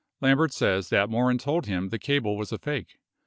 Lambert says that Morin told him the cable was a fake.